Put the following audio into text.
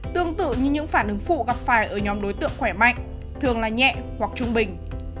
tương tự như những phản ứng phụ gặp phải ở nhóm đối tượng khỏe mạnh thường là nhẹ hoặc trung bình